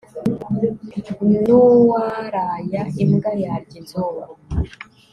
nuwaraya imbwa yarya inzungu